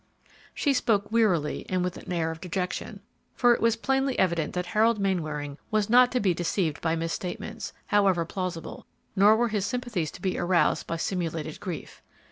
She spoke wearily and with an air of dejection, for it was plainly evident that Harold Mainwaring was not to be deceived by misstatements, however plausible, nor were his sympathies to be aroused by simulated grief.